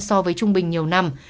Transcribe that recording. so với trung bình nhiều năm